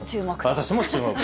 私も注目。